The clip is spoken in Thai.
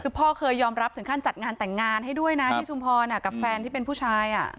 คือพ่อเคยยอมรับถึงขั้นจัดงานแต่งงานให้ด้วยนะที่ชุมพรกับแฟนที่เป็นผู้ชาย